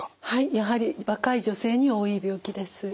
やはり若い女性に多い病気です。